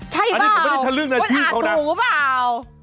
ใช่เปล่าอาถูเปล่า